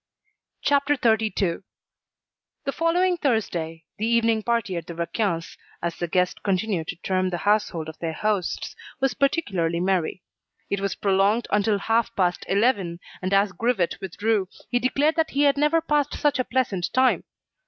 CHAPTER XXXII The following Thursday, the evening party at the Raquins, as the guests continued to term the household of their hosts, was particularly merry. It was prolonged until half past eleven, and as Grivet withdrew, he declared that he had never passed such a pleasant time.